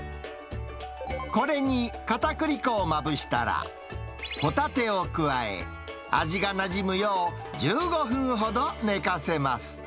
これにかたくり粉をまぶしたら、ホタテを加え、味がなじむよう、１５分ほど寝かせます。